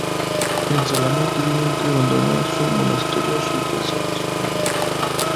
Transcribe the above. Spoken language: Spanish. En Salamá tuvieron que abandonar su monasterio, su iglesia y sus viñedos.